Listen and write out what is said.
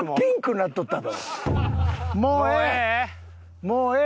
もうええ？